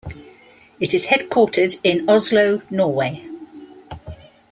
It is headquartered in Oslo, Norway.